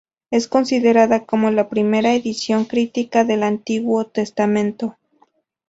Es considerada como la primera edición crítica del Antiguo Testamento.